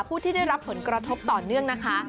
ผู้ที่ได้รับผลกระทบต่อเนื่องนะคะ